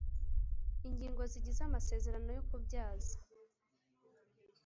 Ingingo zigize amasezerano yo kubyaza